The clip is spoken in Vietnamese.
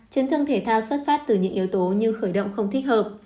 chấn thương thể thao xuất phát từ những yếu tố như khởi động không thích hợp